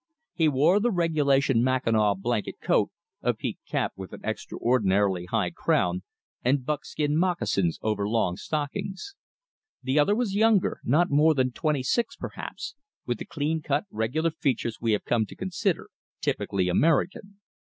He wore the regulation mackinaw blanket coat, a peaked cap with an extraordinarily high crown, and buckskin moccasins over long stockings. The other was younger, not more than twenty six perhaps, with the clean cut, regular features we have come to consider typically American.